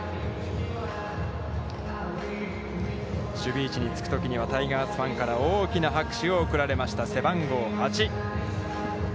守備位置につくときにはタイガースファンから大きな拍手を送られました、背番号８。